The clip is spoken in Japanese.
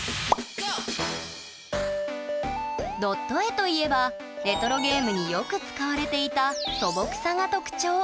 ドット絵といえばレトロゲームによく使われていた素朴さが特徴。